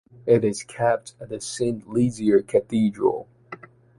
It is kept at the Saint-Lizier cathedral.